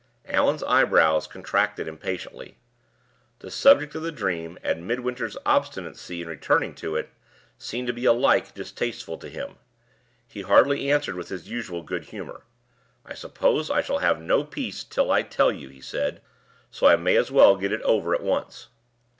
Allan's eyebrows contracted impatiently; the subject of the dream, and Midwinter's obstinacy in returning to it, seemed to be alike distasteful to him. He hardly answered with his usual good humor. "I suppose I shall have no peace till I tell you," he said, "so I may as well get it over at once."